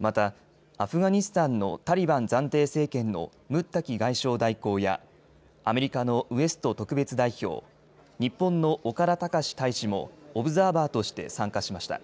また、アフガニスタンのタリバン暫定政権のムッタキ外相代行やアメリカのウエスト特別代表、日本の岡田隆大使もオブザーバーとして参加しました。